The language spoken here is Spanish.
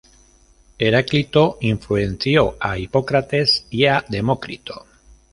Heráclito influenció a Hipócrates y a Demócrito.